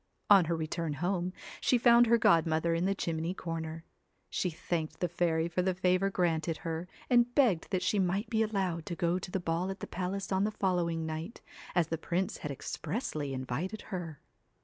On her return home she found her godmother in the chimney corner. She thanked the fairy for the favour granted her, and begged that she might be allowed to go to the ball at the palace on the following night, as the prince had expressly invited her.